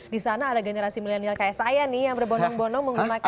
di sana ada generasi milenial kayak saya nih yang berbondong bondong menggunakan